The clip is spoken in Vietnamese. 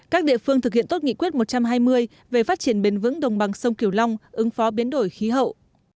các địa phương thực hiện tốt nghị quyết một trăm hai mươi về phát triển bền vững đồng bằng sông kiểu long ứng phó biến đổi khí hậu